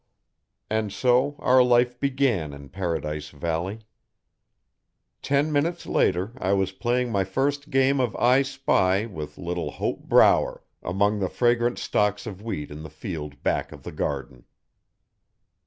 And so our life began in Paradise Valley. Ten minutes later I was playing my first game of 'I spy' with little Hope Brower, among the fragrant stooks of wheat in the field back of the garden.